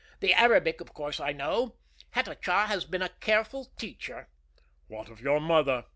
The Arabic, of course, I know. Hatatcha has been a careful teacher." "What of your mother?"